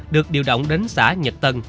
được điều động đến xã nhật tân